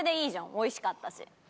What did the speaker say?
おいしかったし。